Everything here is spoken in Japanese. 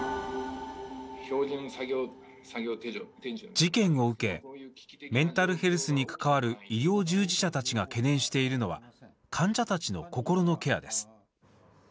事件を受け、メンタルヘルスに関わる医療従事者たちが懸念しているのは患者たちの心のケアです。